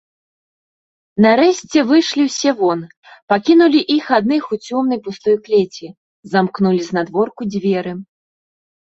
Нарэшце выйшлі ўсе вон, пакінулі іх адных у цёмнай пустой клеці, замкнулі знадворку дзверы.